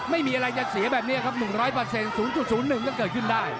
ไม่มีอะไรจะเสียแบบนี้ครับดูหนึ่งร้อยเปอร์เซ็นต์๐๐๑จะเกิดขึ้นด้าย